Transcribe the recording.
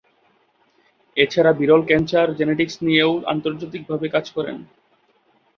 এছাড়া বিরল cancer genetics নিয়েও আন্তর্জাতিকভাবে কাজ করেন।